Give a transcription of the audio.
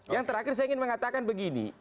yang terakhir saya ingin mengatakan begini